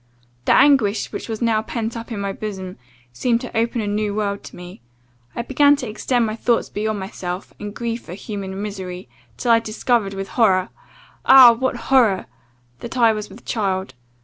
"The anguish which was now pent up in my bosom, seemed to open a new world to me: I began to extend my thoughts beyond myself, and grieve for human misery, till I discovered, with horror ah! what horror! that I was with child.